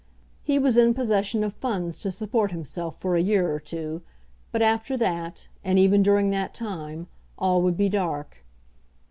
He was in possession of funds to support himself for a year or two; but after that, and even during that time, all would be dark.